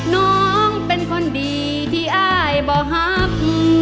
น้องเป็นคนดีที่อายบ่ฮัก